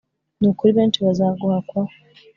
ni ukuri benshi bazaguhakwaho